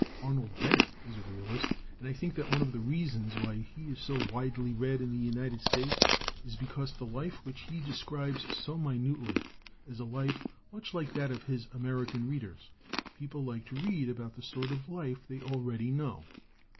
Arnold Bennett is a realist, and I think that one of the reasons why he is so widely read in the United States is because the life which he describes so minutely is a life much like that of his American readers. People like to read about the sort of life they already know.